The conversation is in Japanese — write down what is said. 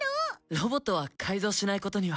ロボットは改造しないことには。